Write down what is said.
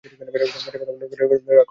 পেটের কথা খুলে বললুম দাদা, রাগ করো না।